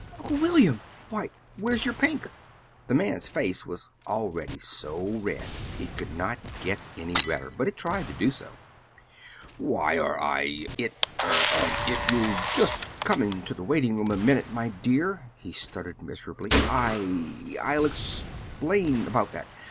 Uncle William! Why, where's your pink?" The man's face was already so red it could not get any redder but it tried to do so. "Why, er I it er if you'll just come into the waiting room a minute, my dear," he stuttered miserably, "I I'll explain about that.